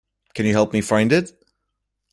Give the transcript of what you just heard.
Can you help me find it?